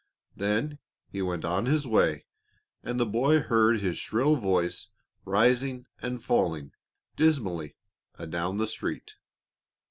Then he went on his way, and the boy heard his shrill voice rising and falling dismally adown the street.